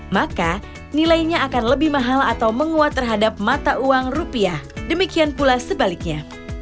maka nilainya akan lebih mahal atau menguat terhadap mata uang rupiah demikian pula sebaliknya